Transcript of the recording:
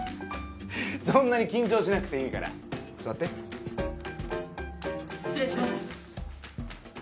そんなに緊張しなくていいから座って失礼します